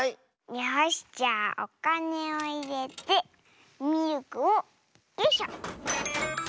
よしじゃあおかねをいれてミルクをよいしょ！